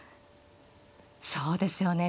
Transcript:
そうですよね